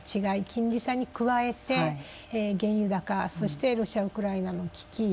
金利差に加えて原油高、そしてロシア、ウクライナの危機。